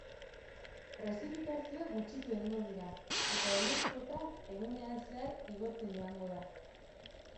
Prezipitazioak gutxitu egingo dira eta elur-kota egunean zehar igotzen joango da.